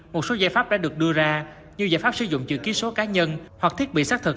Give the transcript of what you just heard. một số giải pháp đã được đưa ra như giải pháp sử dụng chữ ký số cá nhân hoặc thiết bị xác thực